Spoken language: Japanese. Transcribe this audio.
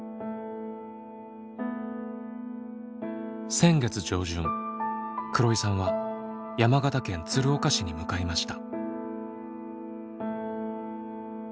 先月上旬黒井さんは山形県鶴岡市に向かいました。